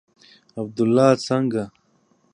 عبدالله څنگه.